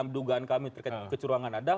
dugaan kami terkait kecurangan ada